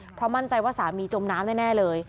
เพราะมั่นใจว่าสามีจมน้ำแน่เลย